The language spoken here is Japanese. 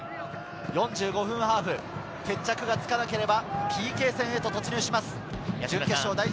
４５分ハーフ、決着がつかなければ、ＰＫ戦へと突入します。